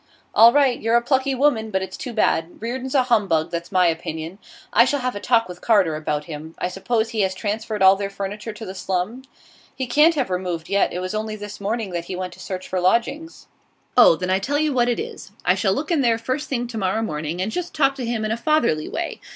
'All right; you're a plucky woman, but it's too bad. Reardon's a humbug, that's my opinion. I shall have a talk with Carter about him. I suppose he has transferred all their furniture to the slum?' 'He can't have removed yet. It was only this morning that he went to search for lodgings.' 'Oh, then I tell you what it is: I shall look in there the first thing to morrow morning, and just talk to him in a fatherly way.